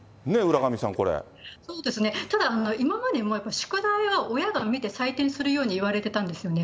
そうですね、ただ、今までもやっぱり宿題は親が見て採点するように言われてたんですよね。